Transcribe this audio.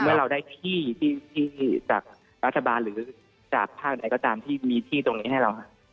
ว่าเราได้ที่จากรัฐบาลหรือจากภาคไหนก็ตามที่มีที่ตรงนี้ให้เรา